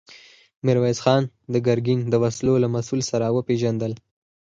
ميرويس خان د ګرګين د وسلو له مسوول سره وپېژندل.